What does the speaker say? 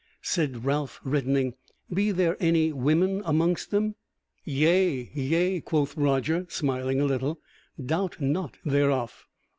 Said Ralph reddening: "Be there any women amongst them?" "Yea, yea," quoth Roger, smiling a little, "doubt not thereof."